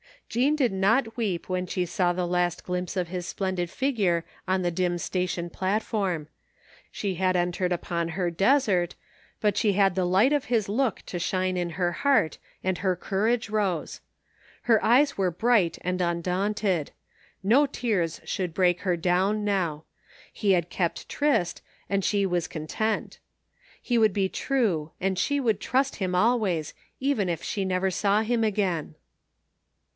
Jean did not weep when she saw the last glimpse of his splendid figure on the dim station platform. She had entered upon her desert, but she had the light of his look to shine in her heart, and her courage rose. Her eyes were bright and imdaunted. No tears should break her down now. He had kept tryst and she was content. He would be true and she would trust him always, even if she never saw him again.